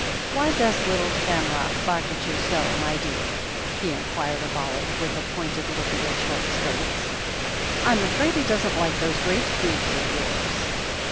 "Why does little Shamrock bark at you so, my dear?" he inquired of Olive, with a pointed look at her short skirts. "I'm afraid he doesn't like those great boots of yours."